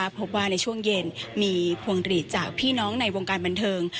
พบว่าในช่วงเย็นมีพวงหลีดจากพี่น้องในวงการบันเทิง